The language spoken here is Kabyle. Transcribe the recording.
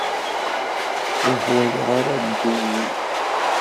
Ur ḥwaǧeɣ ara ddin-im.